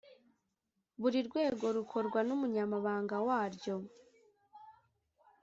buri rwego rukorwa n’umunyamabanga waryo